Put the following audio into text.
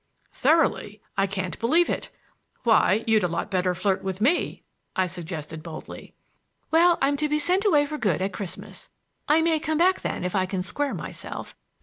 "Thoroughly! I can't believe it! Why, you'd a lot better flirt with me," I suggested boldly. "Well, I'm to be sent away for good at Christmas. I may come back then if I can square myself.